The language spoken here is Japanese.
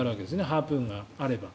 ハープーンがあれば。